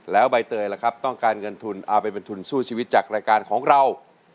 แล้วใบเตยล่ะครับต้องการเงินทุนเอาไปเป็นทุนสู้ชีวิตจากรายการของเรา